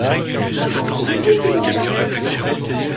J’ai cru qu’il aurait chanté.